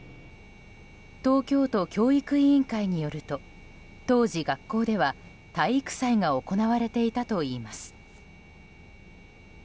東京都教育委員会によると当時、学校では体育祭が行われていたといいます。